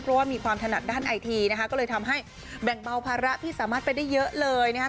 เพราะว่ามีความถนัดด้านไอทีนะคะก็เลยทำให้แบ่งเบาภาระพี่สามารถไปได้เยอะเลยนะครับ